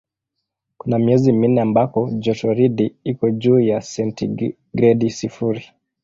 Kuna miezi minne ambako jotoridi iko juu ya sentigredi sifuri.